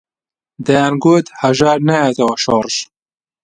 دەیانگوت هەژار نایەتەوە شۆڕش